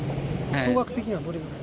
総額的にはどれぐらい？